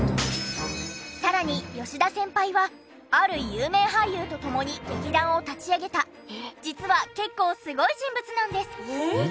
さらに吉田先輩はある有名俳優と共に劇団を立ち上げた実は結構すごい人物なんです。